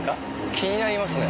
気になりますね。